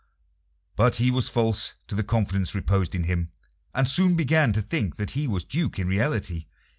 But he was false to the confidence reposed in him, and soon began to think that he was Duke in reality.